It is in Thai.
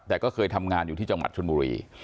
แต่ก็เคยทำงานอยู่ที่จังหวัดชนบุรี